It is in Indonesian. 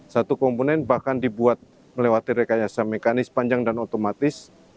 satu komponen bahkan dibuat melewati rekayasa mekanis panjang dan otomatis